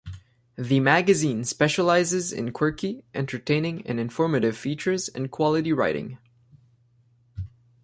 The magazine specialises in quirky, entertaining and informative features and quality writing.